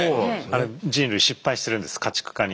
あれ人類失敗してるんです家畜化に。